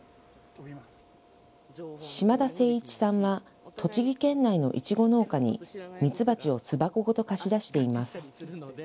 島田誠一さんは、栃木県内のいちご農家にミツバチを巣箱ごと貸し出しています。